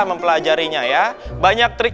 mempelajarinya banyak trik